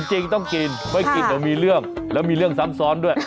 จริงต้องกินไม่กินเดี๋ยวมีเรื่องแล้วมีเรื่องซ้ำซ้อนด้วย